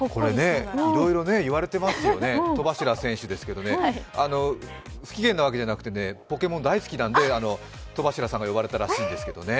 いろいろ言われてますよね、戸柱選手ですけど、不機嫌なわけじゃなくてポケモン大好きなので戸柱さんが呼ばれたようなんです。